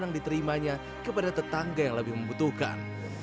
yang diterimanya kepada tetangga yang lebih membutuhkan